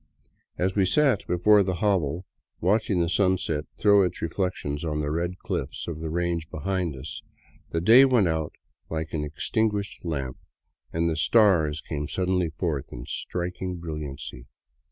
As we sat before the hovel watching the sunset throw its reflections on the red cliffs of the range behind us, the day went out like an extinguished lamp and the stars came sud denly forth in striking brilliancy.